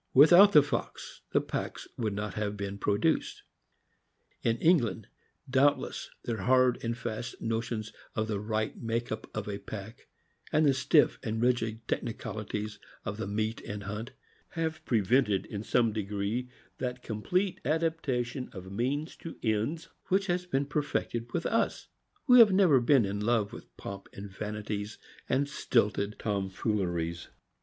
Without the fox, the packs could not have been produced. 192 THE AMERICAN BOOK OF THE DOG. In England, doubtless their hard and fast notions of the right make up of a pack, and the stiff and rigid technical ities of the meet and hunt, have prevented in some degree that complete adaptation of means to ends which has been perfected with us, who have never been in love with pomp and vanities and stilted torn fooleries.